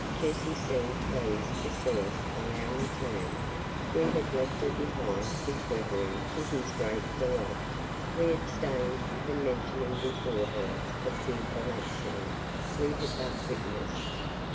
Jessie seemed pleased to see us on our return we had left her behind with Gregory to his great delight we abstained from mentioning before her the fearful accident we had but witnessed.